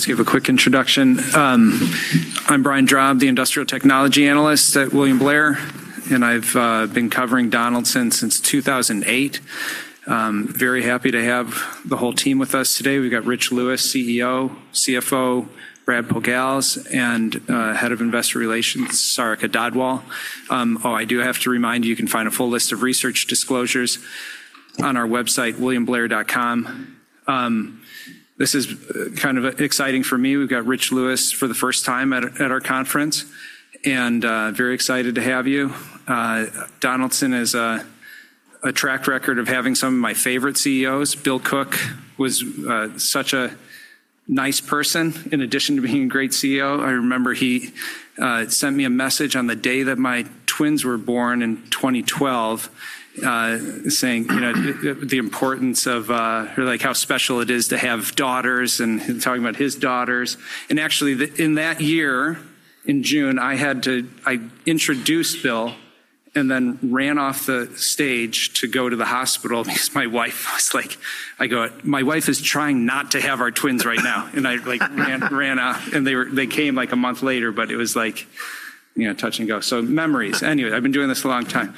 I'll just give a quick introduction. I'm Brian Draa, the industrial technology analyst at William Blair, and I've been covering Donaldson since 2008. Very happy to have the whole team with us today. We've got Rich Lewis, CEO, CFO, Brad Pogalz, and Head of Investor Relations, Sarika Dhadwal. Oh, I do have to remind you can find a full list of research disclosures on our website, williamblair.com. This is kind of exciting for me. We've got Rich Lewis for the first time at our conference, and very excited to have you. Donaldson has a track record of having some of my favorite CEOs. Bill Cook was such a nice person in addition to being a great CEO. I remember he sent me a message on the day that my twins were born in 2012, saying how special it is to have daughters and talking about his daughters. Actually, in that year, in June, I introduced Bill and then ran off the stage to go to the hospital because my wife was like I go, "My wife is trying not to have our twins right now." I ran off, and they came a month later, but it was touch and go. Memories. Anyway, I've been doing this a long time.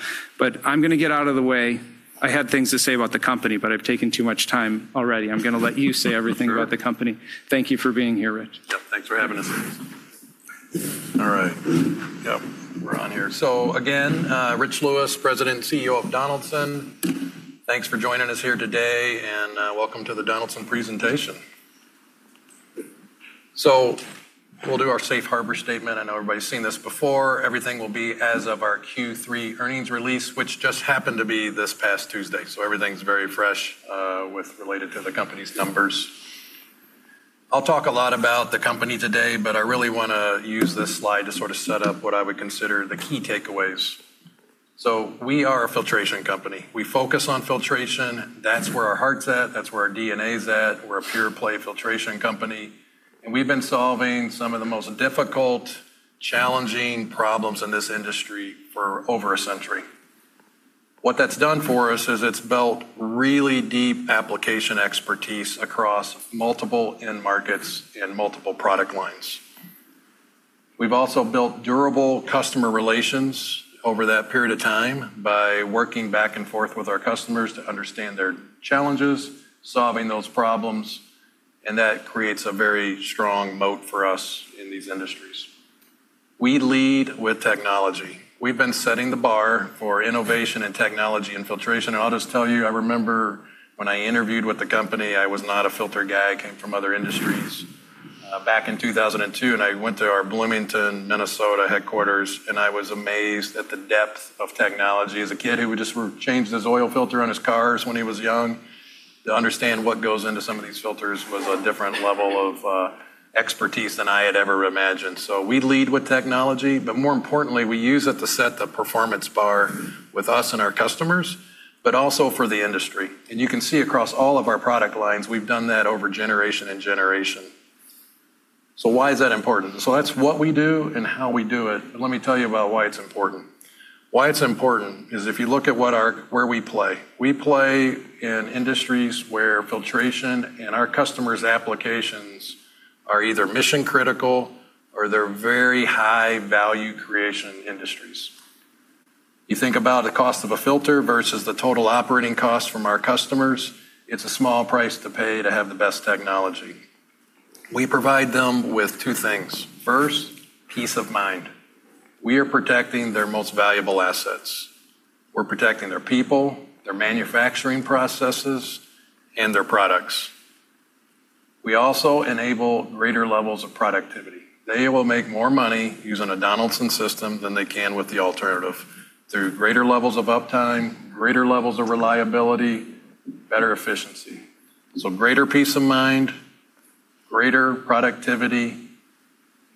I'm going to get out of the way. I had things to say about the company, but I've taken too much time already. I'm going to let you say everything about the company. Thank you for being here, Rich. Thanks for having us. All right. We're on here. Again, Rich Lewis, President and CEO of Donaldson. Thanks for joining us here today, and welcome to the Donaldson presentation. We'll do our safe harbor statement. I know everybody's seen this before. Everything will be as of our Q3 earnings release, which just happened to be this past Tuesday. Everything's very fresh with related to the company's numbers. I'll talk a lot about the company today, I really want to use this slide to sort of set up what I would consider the key takeaways. We are a filtration company. We focus on filtration. That's where our heart's at. That's where our DNA's at. We're a pure play filtration company, we've been solving some of the most difficult, challenging problems in this industry for over a century. What that's done for us is it's built really deep application expertise across multiple end markets and multiple product lines. We've also built durable customer relations over that period of time by working back and forth with our customers to understand their challenges, solving those problems, and that creates a very strong moat for us in these industries. We lead with technology. We've been setting the bar for innovation and technology and filtration, and I'll just tell you, I remember when I interviewed with the company, I was not a filter guy. I came from other industries back in 2002, and I went to our Bloomington, Minnesota headquarters, and I was amazed at the depth of technology. As a kid who would just change his oil filter on his cars when he was young, to understand what goes into some of these filters was a different level of expertise than I had ever imagined. We lead with technology, but more importantly, we use it to set the performance bar with us and our customers, but also for the industry. You can see across all of our product lines, we've done that over generation and generation. Why is that important? That's what we do and how we do it, but let me tell you about why it's important. Why it's important is if you look at where we play. We play in industries where filtration and our customers' applications are either mission critical or they're very high value creation industries. You think about the cost of a filter versus the total operating cost from our customers, it's a small price to pay to have the best technology. We provide them with two things. First, peace of mind. We are protecting their most valuable assets. We're protecting their people, their manufacturing processes, and their products. We also enable greater levels of productivity. They will make more money using a Donaldson system than they can with the alternative through greater levels of uptime, greater levels of reliability, better efficiency. Greater peace of mind, greater productivity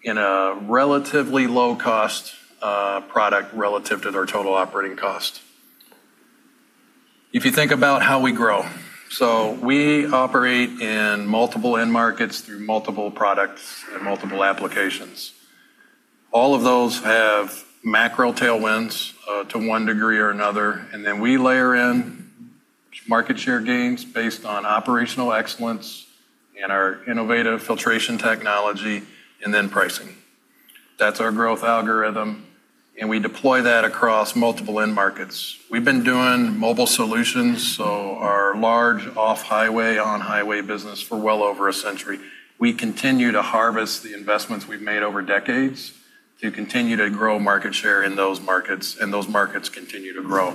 in a relatively low cost product relative to their total operating cost. If you think about how we grow, we operate in multiple end markets through multiple products and multiple applications. All of those have macro tailwinds to one degree or another, and then we layer in market share gains based on operational excellence and our innovative filtration technology, and then pricing. That's our growth algorithm, and we deploy that across multiple end markets. We've been doing Mobile Solutions, so our large off-highway, on-highway business for well over a century. We continue to harvest the investments we've made over decades to continue to grow market share in those markets, and those markets continue to grow.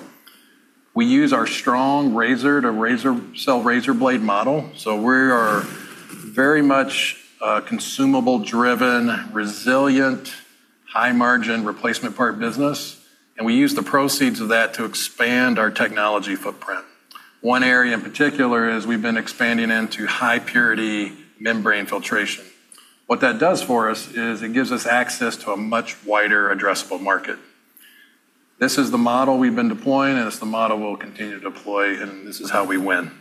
We use our strong razor-to-razor sell razor blade model. We are very much a consumable driven, resilient, high margin replacement part business, and we use the proceeds of that to expand our technology footprint. One area in particular is we've been expanding into high purity membrane filtration. What that does for us is it gives us access to a much wider addressable market. This is the model we've been deploying, and it's the model we'll continue to deploy, and this is how we win.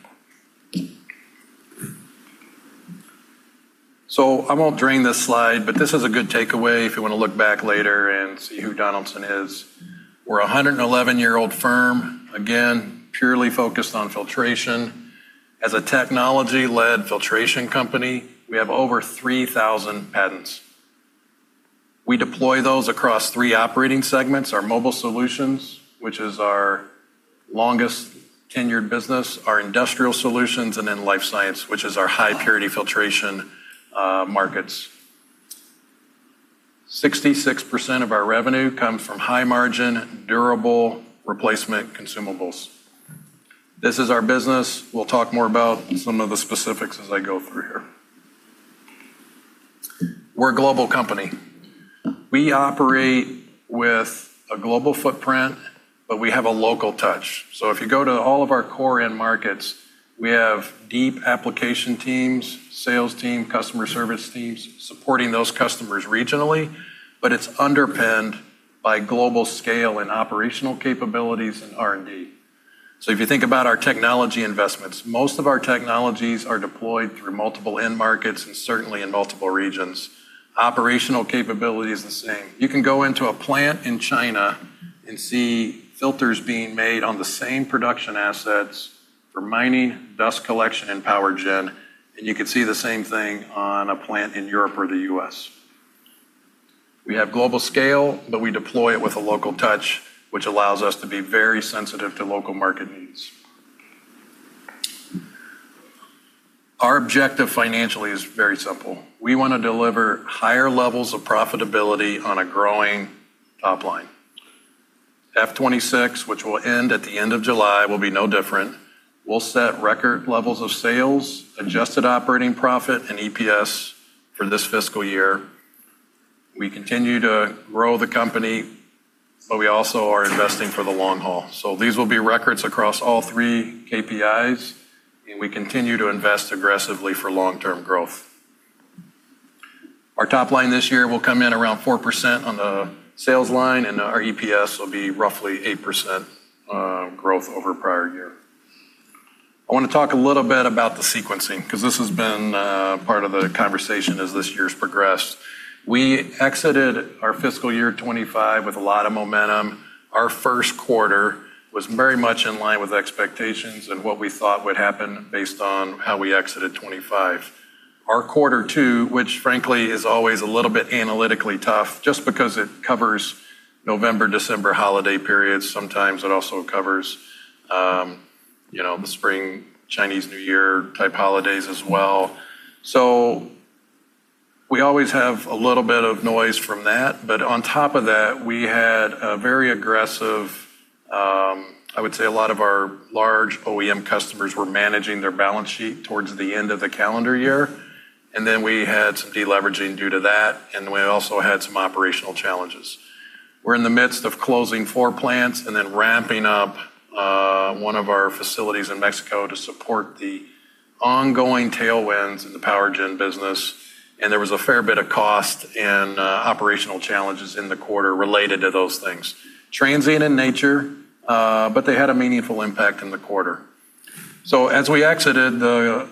I won't drain this slide, but this is a good takeaway if you want to look back later and see who Donaldson is. We're a 111-year-old firm, again, purely focused on filtration. As a technology-led filtration company, we have over 3,000 patents. We deploy those across three operating segments, our Mobile Solutions, which is our longest tenured business, our Industrial Solutions, and then Life Sciences, which is our high purity filtration markets. 66% of our revenue comes from high margin, durable replacement consumables. This is our business. We'll talk more about some of the specifics as I go through here. We're a global company. We operate with a global footprint, but we have a local touch. If you go to all of our core end markets, we have deep application teams, sales team, customer service teams supporting those customers regionally, but it's underpinned by global scale and operational capabilities and R&D. If you think about our technology investments, most of our technologies are deployed through multiple end markets and certainly in multiple regions. Operational capability is the same. You can go into a plant in China and see filters being made on the same production assets for mining, dust collection, and power gen, and you could see the same thing on a plant in Europe or the U.S. We have global scale, but we deploy it with a local touch, which allows us to be very sensitive to local market needs. Our objective financially is very simple. We want to deliver higher levels of profitability on a growing top line. F26, which will end at the end of July, will be no different. We'll set record levels of sales, adjusted operating profit, and EPS for this fiscal year. We continue to grow the company, but we also are investing for the long haul. These will be records across all three KPIs, and we continue to invest aggressively for long-term growth. Our top line this year will come in around 4% on the sales line, and our EPS will be roughly 8% growth over prior year. I want to talk a little bit about the sequencing, because this has been part of the conversation as this year's progressed. We exited our fiscal year 2025 with a lot of momentum. Our first quarter was very much in line with expectations and what we thought would happen based on how we exited 2025. Our quarter 2, which frankly is always a little bit analytically tough just because it covers November, December holiday periods, sometimes it also covers the spring Chinese New Year type holidays as well. We always have a little bit of noise from that, but on top of that, we had a very aggressive, I would say a lot of our large OEM customers were managing their balance sheet towards the end of the calendar year, and then we had some de-leveraging due to that, and we also had some operational challenges. We're in the midst of closing 4 plants and then ramping up one of our facilities in Mexico to support the ongoing tailwinds in the power gen business, and there was a fair bit of cost and operational challenges in the quarter related to those things. Transient in nature, but they had a meaningful impact in the quarter. As we exited, the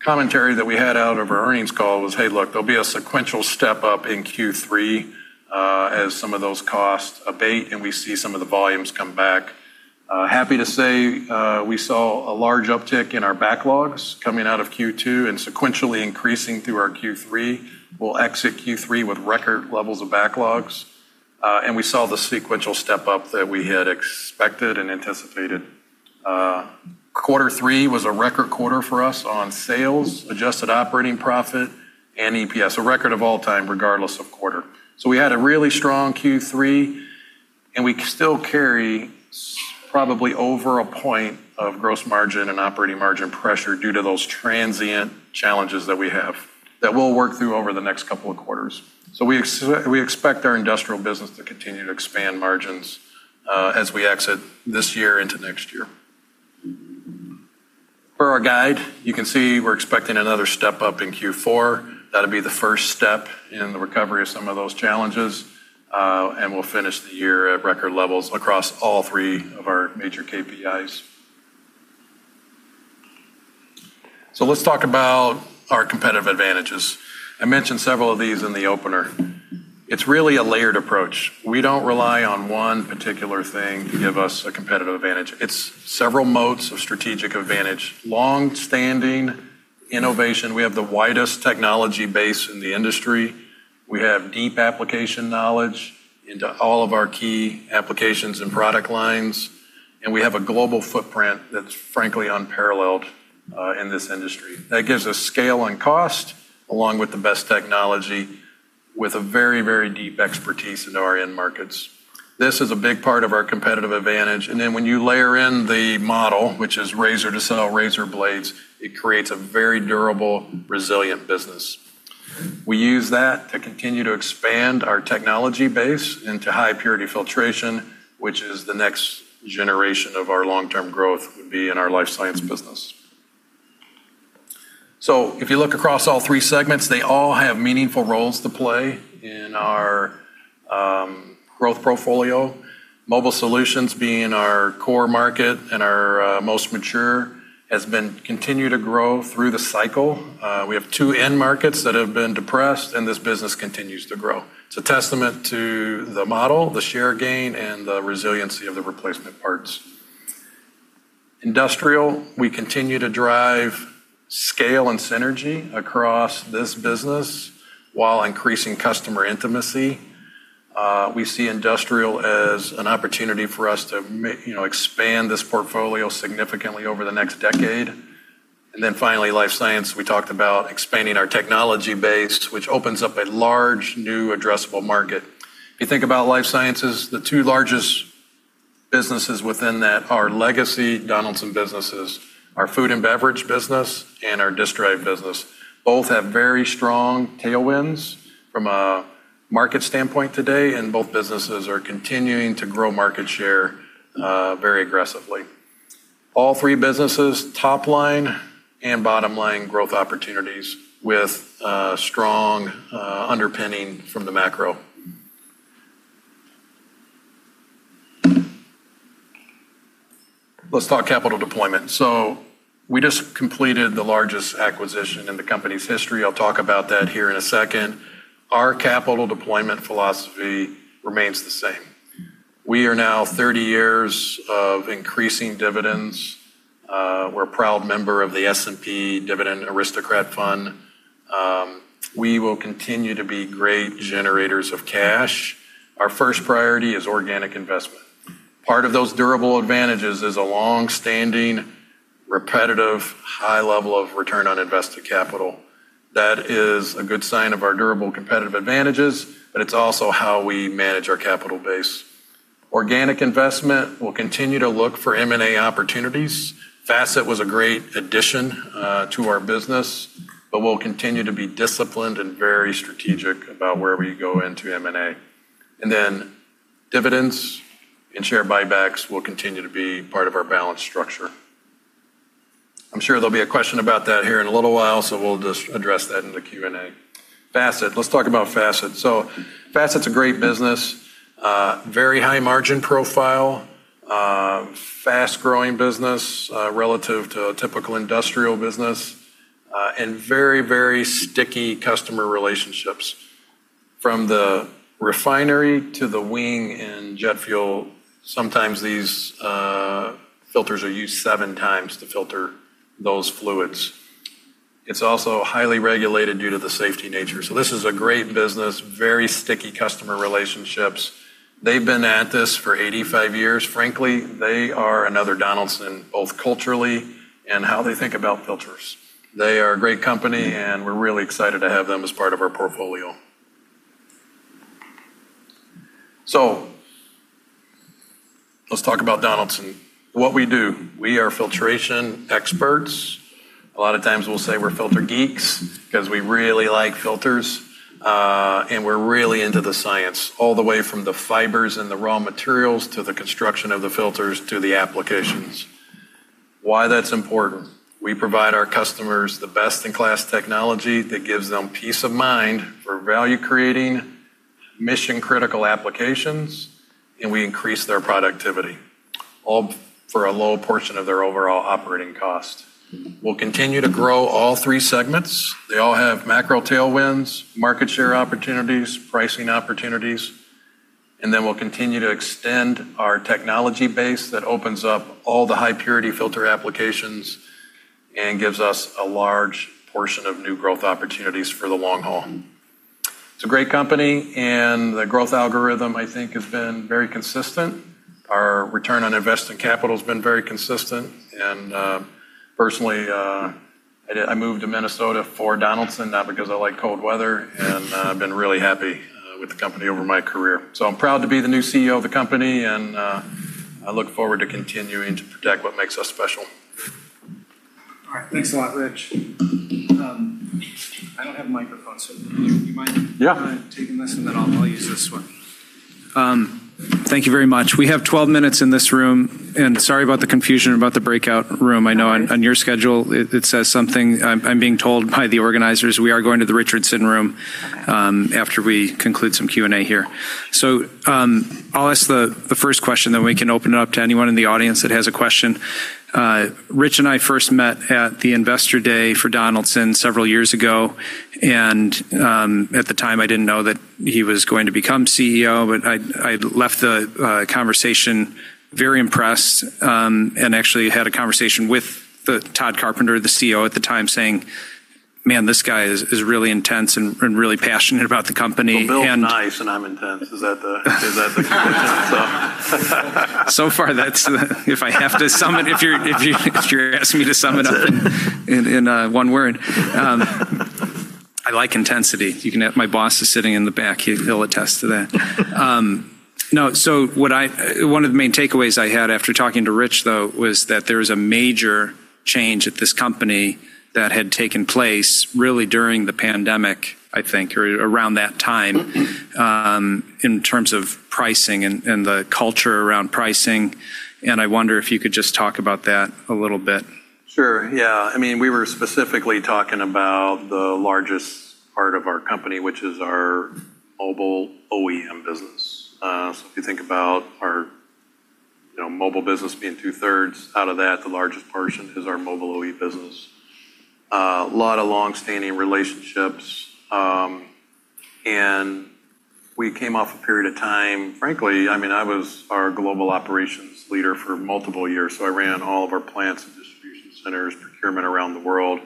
commentary that we had out of our earnings call was, "Hey, look, there'll be a sequential step-up in Q3 as some of those costs abate and we see some of the volumes come back." Happy to say we saw a large uptick in our backlogs coming out of Q2 and sequentially increasing through our Q3. We'll exit Q3 with record levels of backlogs. We saw the sequential step-up that we had expected and anticipated. Quarter three was a record quarter for us on sales, adjusted operating profit, and EPS, a record of all time regardless of quarter. We had a really strong Q3, and we still carry probably over a point of gross margin and operating margin pressure due to those transient challenges that we have that we'll work through over the next couple of quarters. We expect our Industrial Solutions business to continue to expand margins as we exit this year into next year. For our guide, you can see we're expecting another step-up in Q4. That'll be the first step in the recovery of some of those challenges. We'll finish the year at record levels across all three of our major KPIs. Let's talk about our competitive advantages. I mentioned several of these in the opener. It's really a layered approach. We don't rely on one particular thing to give us a competitive advantage. It's several moats of strategic advantage. Long-standing innovation. We have the widest technology base in the industry. We have deep application knowledge into all of our key applications and product lines, and we have a global footprint that's frankly unparalleled in this industry. That gives us scale and cost along with the best technology with a very, very deep expertise into our end markets. This is a big part of our competitive advantage, and then when you layer in the model, which is razor to sell razor blades, it creates a very durable, resilient business. We use that to continue to expand our technology base into high purity filtration, which is the next generation of our long-term growth would be in our Life Sciences business. If you look across all three segments, they all have meaningful roles to play in our growth portfolio. Mobile Solutions being our core market and our most mature, has continued to grow through the cycle. We have two end markets that have been depressed, and this business continues to grow. It's a testament to the model, the share gain, and the resiliency of the replacement parts. Industrial, we continue to drive scale and synergy across this business while increasing customer intimacy. We see Industrial as an opportunity for us to expand this portfolio significantly over the next decade. Finally, Life Sciences. We talked about expanding our technology base, which opens up a large, new addressable market. You think about Life Sciences, the two largest businesses within that are legacy Donaldson businesses, our food and beverage business, and our disc drive business. Both have very strong tailwinds from a market standpoint today, both businesses are continuing to grow market share very aggressively. All three businesses, top line and bottom line growth opportunities with strong underpinning from the macro. Let's talk capital deployment. We just completed the largest acquisition in the company's history. I'll talk about that here in a second. Our capital deployment philosophy remains the same. We are now 30 years of increasing dividends. We're a proud member of the S&P Dividend Aristocrats fund. We will continue to be great generators of cash. Our first priority is organic investment. Part of those durable advantages is a longstanding, repetitive, high level of return on invested capital. That is a good sign of our durable competitive advantages. It's also how we manage our capital base. Organic investment will continue to look for M&A opportunities. Facet was a great addition to our business. We'll continue to be disciplined and very strategic about where we go into M&A. Dividends and share buybacks will continue to be part of our balance structure. I'm sure there'll be a question about that here in a little while. We'll just address that in the Q&A. Facet. Let's talk about Facet. Facet's a great business, very high margin profile, fast growing business relative to a typical industrial business, and very sticky customer relationships. From the refinery to the wing in jet fuel, sometimes these filters are used seven times to filter those fluids. It's also highly regulated due to the safety nature. This is a great business, very sticky customer relationships. They've been at this for 85 years. Frankly, they are another Donaldson, both culturally and how they think about filters. They are a great company, and we're really excited to have them as part of our portfolio. Let's talk about Donaldson. What we do, we are filtration experts. A lot of times we'll say we're filter geeks because we really like filters. We're really into the science, all the way from the fibers and the raw materials to the construction of the filters to the applications. Why that's important, we provide our customers the best in class technology that gives them peace of mind for value creating, mission critical applications, and we increase their productivity, all for a low portion of their overall operating cost. We'll continue to grow all three segments. They all have macro tailwinds, market share opportunities, pricing opportunities, then we'll continue to extend our technology base that opens up all the high purity filter applications and gives us a large portion of new growth opportunities for the long haul. It's a great company. The growth algorithm, I think, has been very consistent. Our return on investing capital has been very consistent. Personally, I moved to Minnesota for Donaldson, not because I like cold weather, and I've been really happy with the company over my career. I'm proud to be the new CEO of the company, and I look forward to continuing to protect what makes us special. All right. Thanks a lot, Rich. I don't have a microphone, so do you mind. Yeah taking this, then I'll use this one. Thank you very much. We have 12 minutes in this room. Sorry about the confusion about the breakout room. I know on your schedule it says something. I'm being told by the organizers we are going to the Richardson room after we conclude some Q&A here. I'll ask the first question, then we can open it up to anyone in the audience that has a question. Rich and I first met at the investor day for Donaldson several years ago, and at the time, I didn't know that he was going to become CEO, but I left the conversation very impressed and actually had a conversation with Tod Carpenter, the CEO at the time, saying, "Man, this guy is really intense and really passionate about the company. Bill's nice, and I'm intense. Is that the conclusion? So far, that's if I have to sum it, if you're asking me to sum it up in one word. I like intensity. My boss is sitting in the back. He'll attest to that. One of the main takeaways I had after talking to Rich, though, was that there was a major change at this company that had taken place really during the pandemic, I think, or around that time, in terms of pricing and the culture around pricing. I wonder if you could just talk about that a little bit. Sure. We were specifically talking about the largest part of our company, which is our Mobile OEM business. If you think about our Mobile business being two-thirds, out of that, the largest portion is our Mobile OE business. A lot of longstanding relationships. We came off a period of time, frankly, I was our global operations leader for multiple years, so I ran all of our plants and distribution centers, procurement around the world,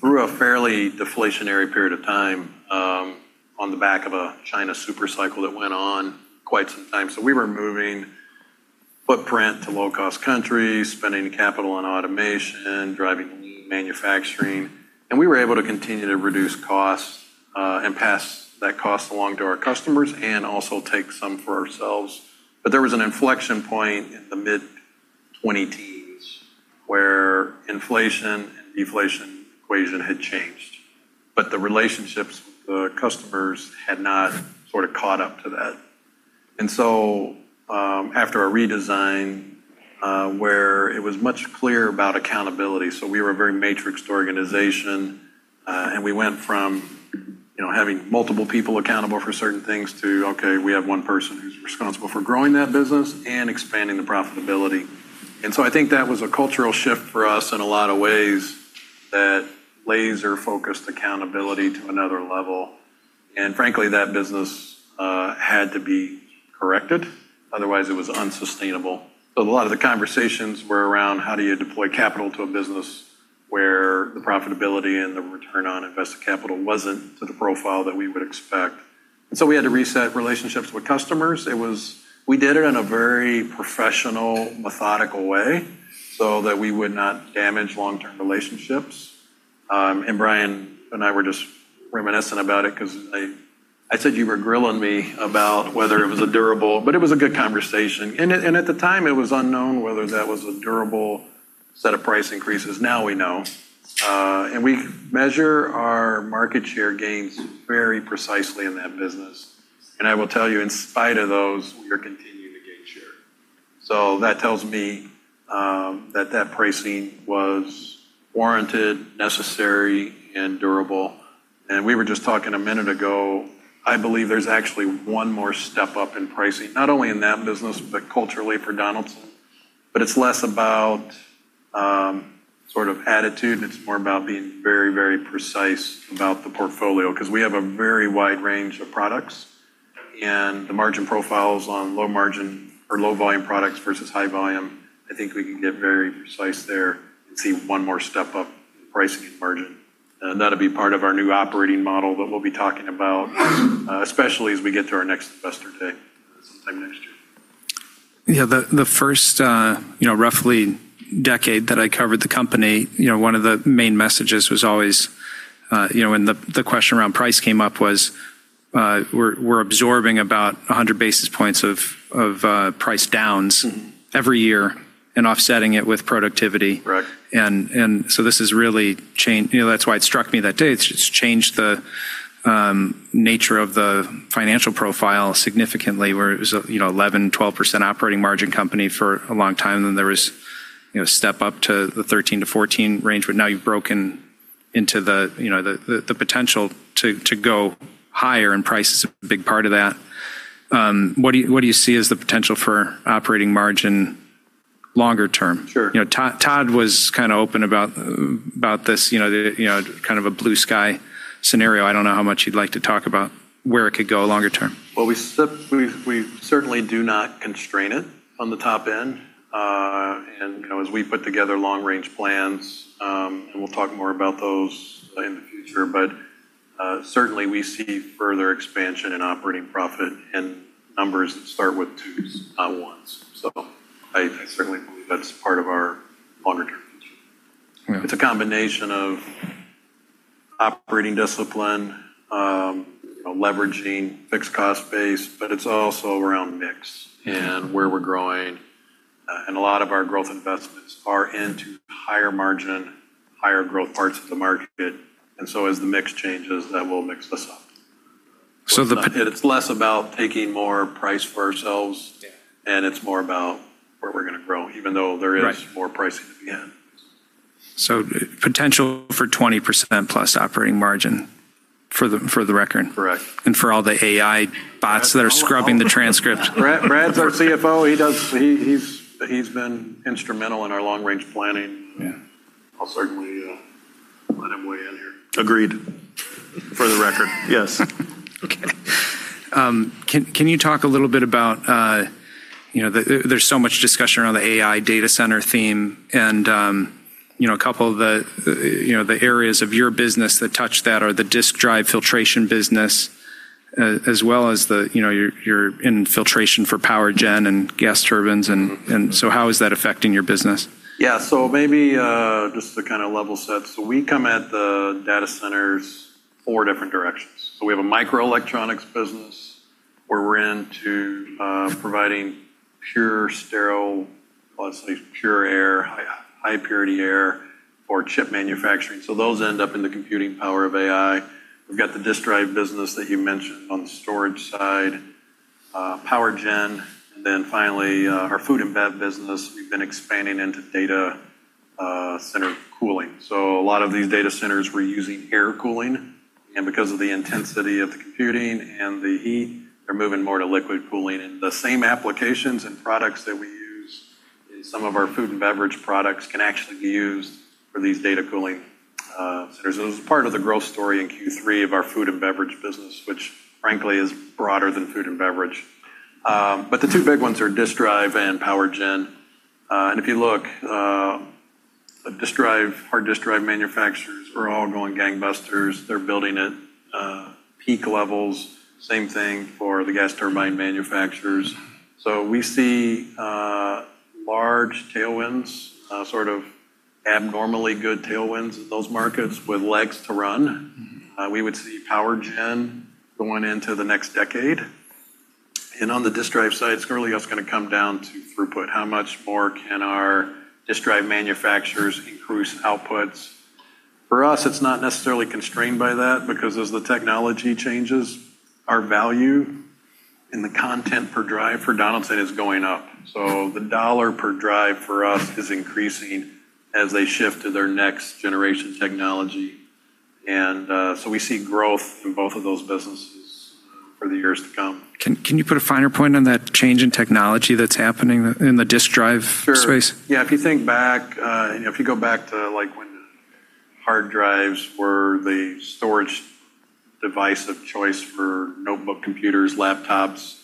through a fairly deflationary period of time on the back of a China super cycle that went on quite some time. We were moving footprint to low-cost countries, spending capital on automation, driving lean manufacturing, and we were able to continue to reduce costs, and pass that cost along to our customers and also take some for ourselves. There was an inflection point in the mid-20 teens where inflation and deflation equation had changed, but the relationships with the customers had not sort of caught up to that. After a redesign where it was much clearer about accountability, so we were a very matrixed organization, and we went from having multiple people accountable for certain things to, okay, we have one person who's responsible for growing that business and expanding the profitability. I think that was a cultural shift for us in a lot of ways that laser-focused accountability to another level. Frankly, that business had to be corrected, otherwise it was unsustainable. A lot of the conversations were around how do you deploy capital to a business where the profitability and the return on invested capital wasn't to the profile that we would expect. We had to reset relationships with customers. We did it in a very professional, methodical way so that we would not damage long-term relationships. Brian and I were just reminiscing about it because I said you were grilling me about whether it was a durable, but it was a good conversation. At the time, it was unknown whether that was a durable set of price increases. Now we know. We measure our market share gains very precisely in that business. I will tell you, in spite of those, we are continuing to gain share. That tells me that pricing was warranted, necessary, and durable. We were just talking a minute ago, I believe there's actually one more step up in pricing, not only in that business, but culturally for Donaldson. It's less about sort of attitude, and it's more about being very precise about the portfolio because we have a very wide range of products, and the margin profiles on low margin or low volume products versus high volume, I think we can get very precise there and see one more step up in pricing and margin. That'll be part of our new operating model that we'll be talking about, especially as we get to our next investor day sometime next year. Yeah. The first roughly decade that I covered the company, one of the main messages was always when the question around price came up was, we're absorbing about 100 basis points of price downs every year and offsetting it with productivity. Right. This has really changed. That's why it struck me that day. It's changed the nature of the financial profile significantly, where it was 11%, 12% operating margin company for a long time. There was a step up to the 13%-14% range, now you've broken into the potential to go higher, price is a big part of that. What do you see as the potential for operating margin longer- term? Sure. Tod was kind of open about this, kind of a blue sky scenario. I don't know how much you'd like to talk about where it could go longer- term. Well, we certainly do not constrain it on the top end. As we put together long range plans, and we'll talk more about those in the future, certainly we see further expansion in operating profit and numbers that start with twos, not ones. I certainly believe that's part of our longer term view. Yeah. It's a combination of operating discipline, leveraging fixed cost base, it's also around mix and where we're growing. A lot of our growth investments are into higher margin, higher growth parts of the market. As the mix changes, that will mix this up. So the- It's less about taking more price for ourselves. Yeah It's more about where we're going to grow, even though there is. Right more pricing to be had. Potential for 20% plus operating margin for the record. Correct. For all the AI bots that are scrubbing the transcript. Brad's our CFO. He's been instrumental in our long range planning. Yeah. I'll certainly let him weigh in here. Agreed. For the record, yes. Okay. Can you talk a little bit about, there's so much discussion around the AI data center theme and a couple of the areas of your business that touch that are the disk drive filtration business, as well as your filtration for power gen and gas turbines. How is that affecting your business? Yeah. Maybe just to kind of level set. We come at the data centers four different directions. We have a microelectronics business where we're into providing pure, sterile, call it safe, pure air, high purity air for chip manufacturing. Those end up in the computing power of AI. We've got the disk drive business that you mentioned on the storage side, power gen, and then finally our food and bev business. We've been expanding into data center cooling. A lot of these data centers were using air cooling, and because of the intensity of the computing and the heat, they're moving more to liquid cooling. The same applications and products that we use, some of our food and beverage products can actually be used for these data cooling centers. It was part of the growth story in Q3 of our food and beverage business, which frankly is broader than food and beverage. The two big ones are disk drive and power gen. If you look, hard disk drive manufacturers are all going gangbusters. They're building at peak levels, same thing for the gas turbine manufacturers. We see large tailwinds, sort of abnormally good tailwinds in those markets with legs to run. We would see power gen going into the next decade. On the disk drive side, it's really just going to come down to throughput. How much more can our disk drive manufacturers increase outputs? For us, it's not necessarily constrained by that because as the technology changes, our value in the content per drive for Donaldson is going up. The dollar per drive for us is increasing as they shift to their next generation technology. We see growth in both of those businesses for the years to come. Can you put a finer point on that change in technology that's happening in the disk drive space? Sure. Yeah, if you go back to when hard drives were the storage device of choice for notebook computers, laptops,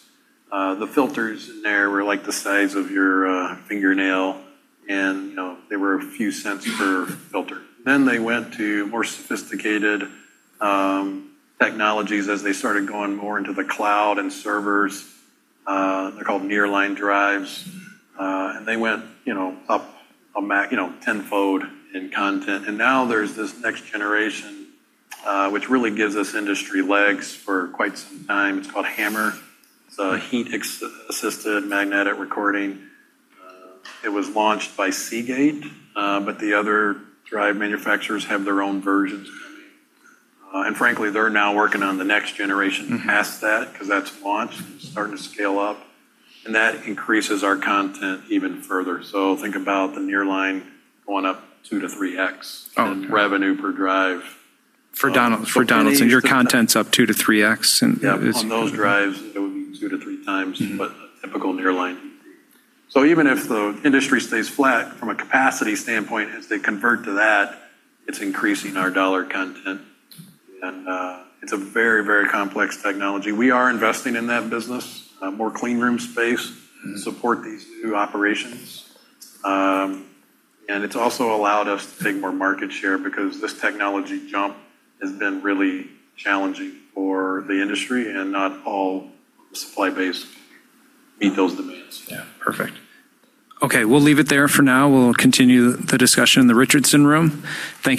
the filters in there were like the size of your fingernail. They were a few cents per filter. They went to more sophisticated technologies as they started going more into the cloud and servers. They're called nearline drives. They went up tenfold in content. Now there's this next generation, which really gives us industry legs for quite some time. It's called HAMR. It's Heat-Assisted Magnetic Recording. It was launched by Seagate, but the other drive manufacturers have their own versions of it. Frankly, they're now working on the next generation past that because that's launched and starting to scale up, and that increases our content even further. Think about the nearline going up two to three x. Oh, okay. in revenue per drive. For Donaldson, your content's up two to three x? Yeah. On those drives, it would be two to three times. what a typical nearline would be. Even if the industry stays flat from a capacity standpoint, as they convert to that, it's increasing our dollar content. It's a very, very complex technology. We are investing in that business, more clean room space. to support these new operations. It's also allowed us to take more market share because this technology jump has been really challenging for the industry and not all the supply base meet those demands. Yeah. Perfect. Okay, we'll leave it there for now. We'll continue the discussion in the Richardson room. Thank you